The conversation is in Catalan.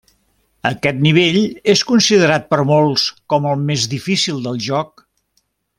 Aquest nivell és considerat per molts com el més difícil del joc.